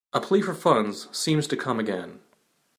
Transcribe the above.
A plea for funds seems to come again.